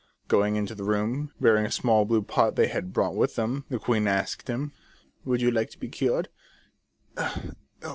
Going into the room, bearing a small blue pot they had brought with them, the queen asked him :" Would you like to be cured